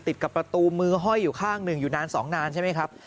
ติดกับประตูมือห้อยอยู่ข้างหนึ่งอยู่นานสองนานใช่ไหมครับ